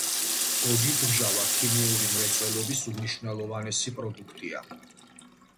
გოგირდმჟავა ქიმიური მრეწველობის უმნიშვნელოვანესი პროდუქტია.